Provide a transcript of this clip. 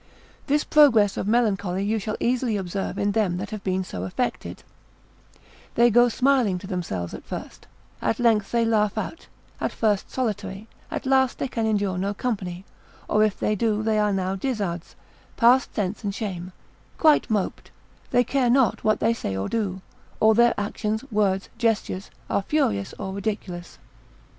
This progress of melancholy you shall easily observe in them that have been so affected, they go smiling to themselves at first, at length they laugh out; at first solitary, at last they can endure no company: or if they do, they are now dizzards, past sense and shame, quite moped, they care not what they say or do, all their actions, words, gestures, are furious or ridiculous.